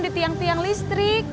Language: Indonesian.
di tiang tiang listrik